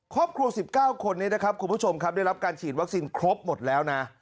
ครอบครัว๑๙คนนี้นะครับคุณผู้ชมครับได้รับการฉีดวัคซีนครบหมดแล้วนะ